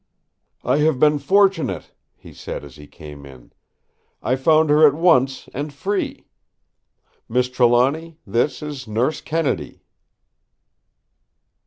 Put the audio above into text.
"I have been fortunate!" he said as he came in. "I found her at once and free. Miss Trelawny, this is Nurse Kennedy!"